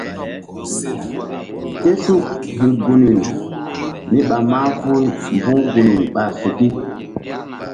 Tésuk hi̧ gunri míɓa mahful mbu̧h gunri ɓa suki.